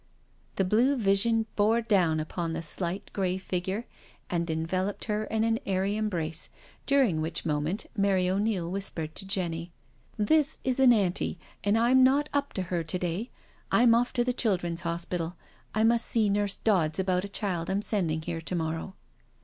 The blue vision bore down upon the slight grey figure and enveloped her in an airy embrace, during which moment Mary O'Neil whispered to Jenny: " This is an Anti, and I'm not up to her to day. I'm off to the Children's Hospital — I must see Nurse Dodds about a child I'm sending here to morrow."